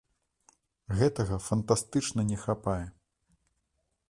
Гэтага фантастычна не хапае.